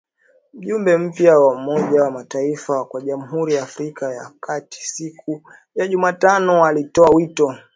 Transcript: Mjumbe mpya wa Umoja wa mataifa kwa Jamhuri ya Afrika ya kati siku ya Jumatano alitoa wito